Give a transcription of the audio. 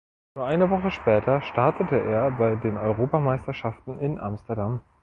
Nur eine Woche später startete er bei den Europameisterschaften in Amsterdam.